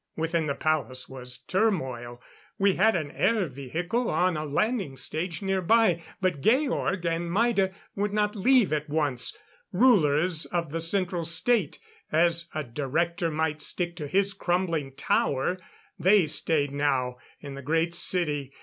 Within the palace was turmoil. We had an air vehicle on a landing stage nearby; but Georg and Maida would not leave at once. Rulers of the Central State, as a Director might stick to his crumbling Tower, they stayed now in the Great City.